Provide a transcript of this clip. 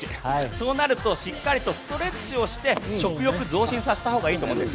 そうなるとしっかりとストレッチをして食欲増進させたほうがいいと思うんです。